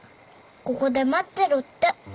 ここで待ってろって。